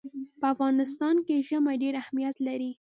په افغانستان کې ژمی ډېر اهمیت لري.